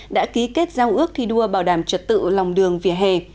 đã ký kết giao ước thi đua bảo đảm trật tự lòng đường vỉa hè